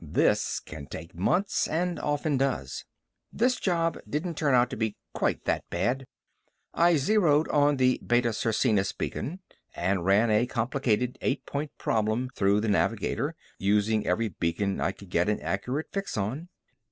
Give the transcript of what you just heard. This can take months, and often does. This job didn't turn out to be quite that bad. I zeroed on the Beta Circinus beacon and ran a complicated eight point problem through the navigator, using every beacon I could get an accurate fix on.